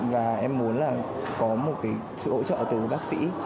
và em muốn có một sự hỗ trợ từ bác sĩ